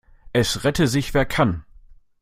Es rette sich, wer kann.